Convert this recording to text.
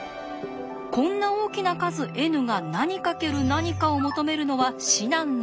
こんな大きな数Ｎが何かける何かを求めるのは至難の業。